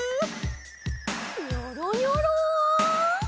ニョロニョロ。